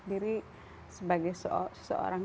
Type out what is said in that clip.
diri sebagai seseorang